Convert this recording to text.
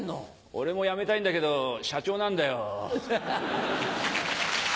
俺も辞めたいんだけど社長なんだよ。